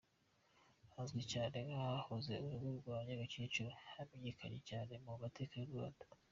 Hazwi cyane nk’ahahoze urugo rwa Nyagakecuru wamenyekanye cyane mu mateka y’u Rwanda.